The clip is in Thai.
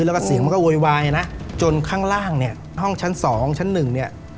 แล้วก็เสียงมันก็โวยวายนะจนข้างล่างเนี่ยห้องชั้นสองชั้นหนึ่งเนี่ย